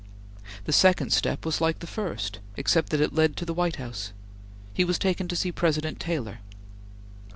The second step was like the first, except that it led to the White House. He was taken to see President Taylor.